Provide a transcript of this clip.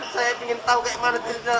saya ingin tahu bagaimana dirinya